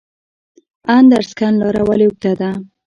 ادرسکن لاره ولې اوږده ده؟